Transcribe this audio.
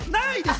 ないです！